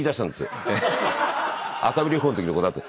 熱海旅行のときの子だって。